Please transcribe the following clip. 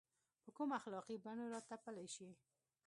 په کومو اخلاقي بڼو راتپلی شي.